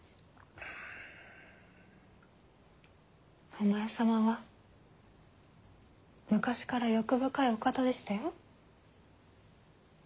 お前様は昔から欲深いお方でしたよ。